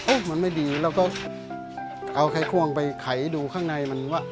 มันไม่ดีเราก็เอาไข้ควงไปไขดูข้างในมันว่า